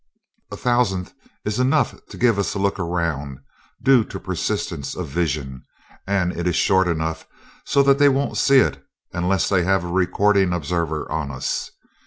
"A thousandth is enough to give us a look around, due to persistence of vision; and it is short enough so that they won't see it unless they have a recording observer on us.